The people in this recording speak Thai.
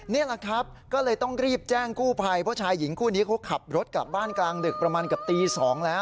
นี่แหละครับก็เลยต้องรีบแจ้งกู้ภัยเพราะชายหญิงคู่นี้เขาขับรถกลับบ้านกลางดึกประมาณกับตี๒แล้ว